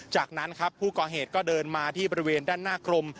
จากนั้นครับผู้ก่อเหตุก็เดินมาที่บริเวณด้านหน้ากรม